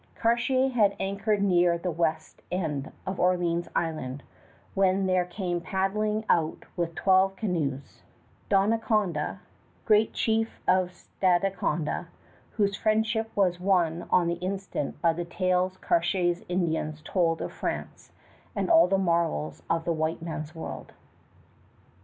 Cartier had anchored near the west end of Orleans Island when there came paddling out with twelve canoes, Donnacona, great chief of Stadacona, whose friendship was won on the instant by the tales Cartier's Indians told of France and all the marvels of the white man's world.